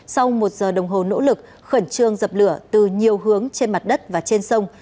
sau một giờ đồng hồ nỗ lực khẩn trương dập lửa từ nhiều hướng trên mặt đất và trên sông